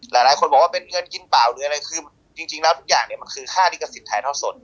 หลายคนบอกว่าเป็นเงินกินเปล่าหรืออะไรคือจริงแล้วทุกอย่างเนี่ยมันคือค่าลิขสิทธิถ่ายทอดสด